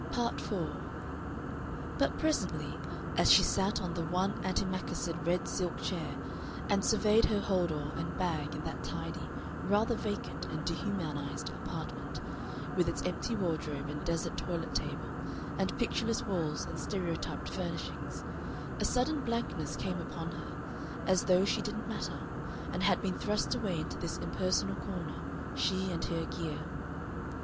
Part 4 But presently, as she sat on the one antimacassared red silk chair and surveyed her hold all and bag in that tidy, rather vacant, and dehumanized apartment, with its empty wardrobe and desert toilet table and pictureless walls and stereotyped furnishings, a sudden blankness came upon her as though she didn't matter, and had been thrust away into this impersonal corner, she and her gear....